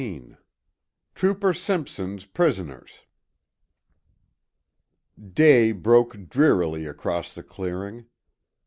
XV TROOPER SIMPSON'S PRISONERS Day broke drearily across the clearing.